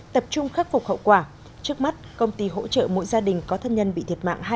tập trung khắc phục hậu quả trước mắt công ty hỗ trợ mỗi gia đình có thân nhân bị thiệt mạng